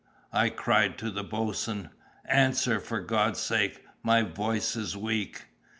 I cried to the boatswain: "Answer, for God's sake! My voice is weak."